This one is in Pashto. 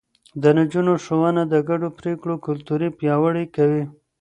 د نجونو ښوونه د ګډو پرېکړو کلتور پياوړی کوي.